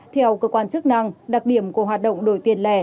theo cơ quan chức năng đặc điểm của hoạt động đổi tiền lẻ